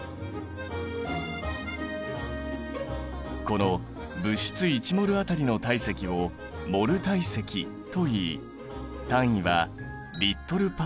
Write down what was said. この物質１ｍｏｌあたりの体積を「モル体積」といい単位はＬ／ｍｏｌ。